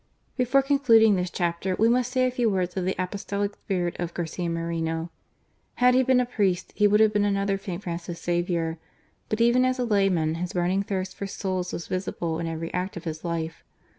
Before concluding this chapter we must say a few words of the Apostolic spirit of Garcia Moreno. Had he been a priest, he would have been another St. Francis Xavier; but even as a layman his burning thirst for souls was visible in every act of his life.